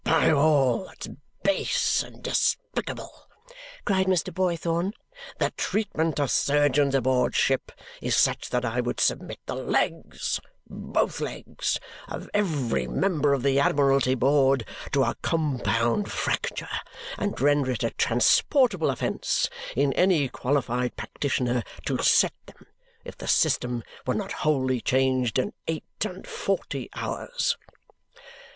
By all that is base and despicable," cried Mr. Boythorn, "the treatment of surgeons aboard ship is such that I would submit the legs both legs of every member of the Admiralty Board to a compound fracture and render it a transportable offence in any qualified practitioner to set them if the system were not wholly changed in eight and forty hours!"